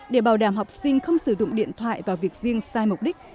để bảo đảm học sinh không sử dụng điện thoại vào việc riêng sai mục đích